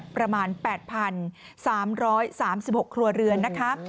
ประมาณ๘๓๓๖ครัวเรือนนะคะ